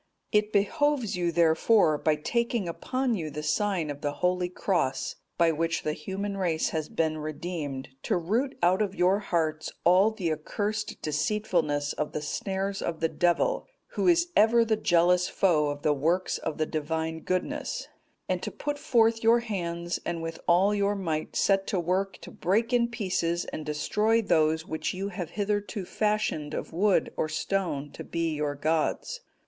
"It behoves you, therefore, by taking upon you the sign of the Holy Cross, by which the human race has been redeemed, to root out of your hearts all the accursed deceitfulness of the snares of the Devil, who is ever the jealous foe of the works of the Divine Goodness, and to put forth your hands and with all your might set to work to break in pieces and destroy those which you have hitherto fashioned of wood or stone to be your gods.